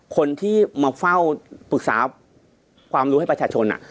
คนที่มาเฝ้าปรึกษาความรู้ให้ประชาชน